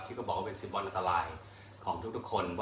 ก็บอกว่าเป็น๑๐วันอันตรายของทุกคน